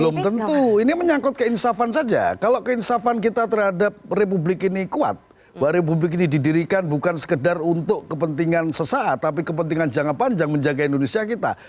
belum tentu ini menyangkut keinsafan saja kalau keinsafan kita terhadap republik ini kuat bahwa republik ini didirikan bukan sekedar untuk kepentingan sesaat tapi kepentingan jangka panjang menjaga indonesia kita